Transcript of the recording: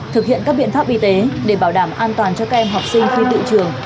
thực hiện các biện pháp y tế để bảo đảm an toàn cho các em học sinh khi tự trường